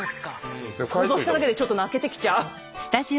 想像しただけでちょっと泣けてきちゃう。